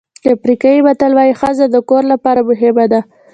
افریقایي متل وایي ښځه د کور لپاره مهمه ده.